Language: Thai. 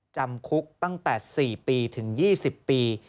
จำคุกตั้งแต่๔ปีถึง๒๐ปี